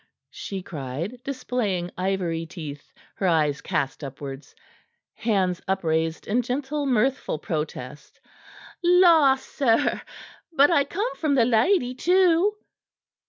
she cried, displaying ivory teeth, her eyes cast upwards, hands upraised in gentle, mirthful protest. "La, sir! But I come from the lady, too."